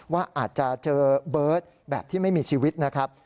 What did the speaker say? ว่าอาจจะเจอเบิร์ตแบบที่ไม่มีชีวิตนะครับ